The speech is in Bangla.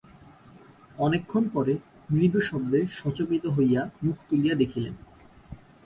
অনেকক্ষণ পরে মৃদু শব্দে সচকিত হইয়া মুখ তুলিয়া দেখিলেন।